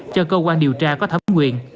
cho cơ quan điều tra có thẩm quyền